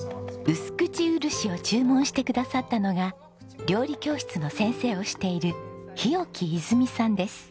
うすくちうるしを注文してくださったのが料理教室の先生をしている日置いづみさんです。